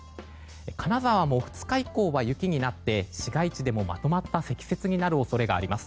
金沢も２日以降は雪になって市街地でも、まとまった積雪になる恐れがあります。